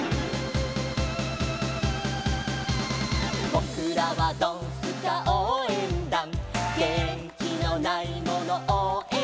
「ぼくらはドンスカおうえんだん」「げんきのないものおうえんだ！！」